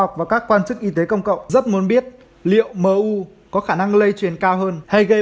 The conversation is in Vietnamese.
học và các quan chức y tế công cộng rất muốn biết liệu mu có khả năng lây truyền cao hơn hay gây